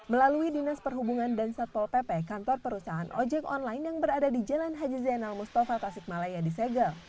melalui dinas perhubungan dan satpol pp kantor perusahaan ojek online yang berada di jalan haji zainal mustafa tasikmalaya disegel